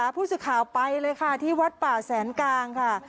ผู้สื่อข่าวไปเลยค่ะที่วัดป่าแสนกลางค่ะ